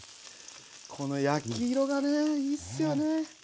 この焼き色がねいいっすよね。